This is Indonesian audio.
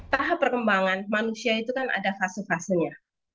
tahap perkembangan manusia itu kan ada fase fasenya